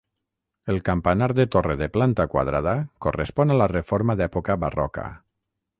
El campanar de torre de planta quadrada correspon a la reforma d'època barroca.